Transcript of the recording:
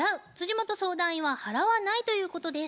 本相談員は「払わない」ということです。